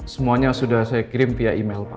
terus kami sandurnya